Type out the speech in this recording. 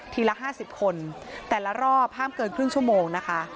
ละ๕๐คนแต่ละรอบห้ามเกินครึ่งชั่วโมงนะคะ